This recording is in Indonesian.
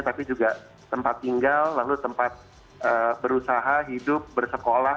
tapi juga tempat tinggal lalu tempat berusaha hidup bersekolah